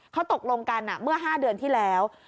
เขาตกลงกันเมื่อ๕เดือนที่แล้ว